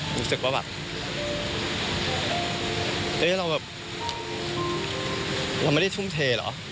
รู้สึกว่าแบบเราแบบเราไม่ได้ทุ่มเทเหรอ